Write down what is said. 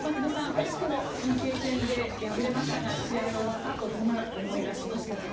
惜しくもＰＫ戦で敗れましたが試合が終わったあとどんな思いがしましたか。